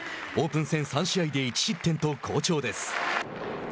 オープン戦、３試合で１失点と好調です。